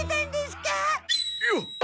よっ！